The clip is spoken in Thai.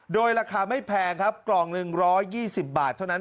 โดยราคาไม่แพงครับกล่อง๑๒๐บาทเท่านั้น